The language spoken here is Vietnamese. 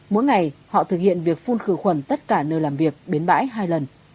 mỗi ngày họ thực hiện việc phun khử khuẩn tất cả nơi làm việc bến bãi hai lần